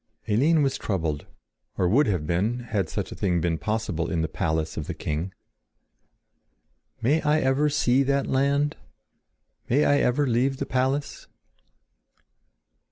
Eline was troubled, or would have been had such a thing been possible in the palace of the king. "May I ever see that land? May I ever leave the palace?"